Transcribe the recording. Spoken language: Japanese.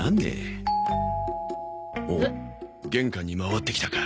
玄関に回ってきたか。